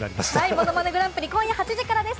『ものまねグランプリ』、今夜８時からです。